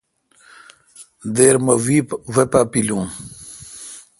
دیر مہ وی پا پیلو۔